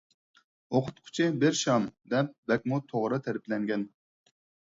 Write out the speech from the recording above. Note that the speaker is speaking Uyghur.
«ئوقۇتقۇچى بىر شام» دەپ بەكمۇ توغرا تەرىپلەنگەن.